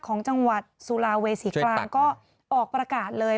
ของจังหวัดสุราเวษีกลางก็ออกประกาศเลย